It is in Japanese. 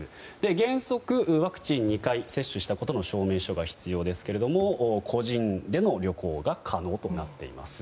原則ワクチン２回接種したことの証明書が必要ですが個人での旅行が可能となっています。